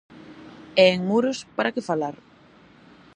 E en Muros, para que falar?